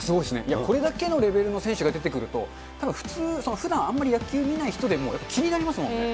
これだけのレベルの選手が出てくると、たぶん普通、ふだんあんまり野球見ない人でもやっぱり気になりますもんね。